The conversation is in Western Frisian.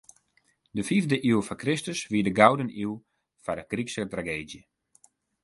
De fiifde iuw foar Kristus wie de gouden iuw foar de Grykske trageedzje.